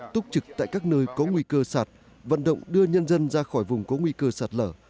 túc trực tại các nơi có nguy cơ sạt vận động đưa nhân dân ra khỏi vùng có nguy cơ sạt lở